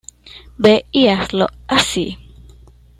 Ve y hazlo así.